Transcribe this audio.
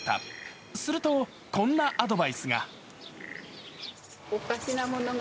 すると、こんなアドバイスが。